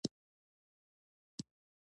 د شپاړسو لویو پاچاهیو دوره پیل شوه.